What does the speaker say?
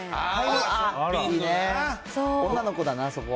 女の子だな、そこは。